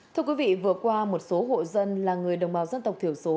thưa quý vị vừa qua một số hộ dân là người đồng bào dân tộc thiểu số